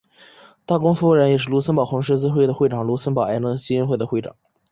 大公夫人也是卢森堡红十字会的会长和卢森堡癌症基金会的会长。